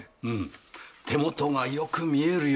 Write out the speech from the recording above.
手元がよく見えるようになる。